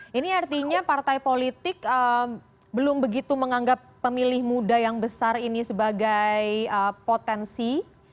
ini artinya partai politik belum begitu menganggap pemilih muda yang besar ini sebagai potensi